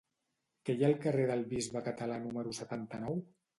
Què hi ha al carrer del Bisbe Català número setanta-nou?